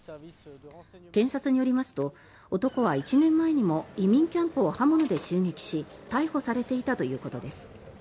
検察によりますと男は１年前にも移民キャンプを刃物で襲撃し逮捕されていたということです。